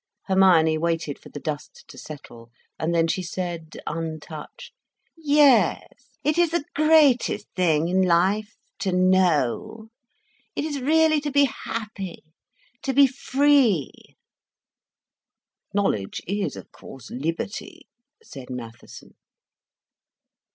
Hermione waited for the dust to settle, and then she said, untouched: "Yes, it is the greatest thing in life—to know. It is really to be happy, to be free." "Knowledge is, of course, liberty," said Mattheson.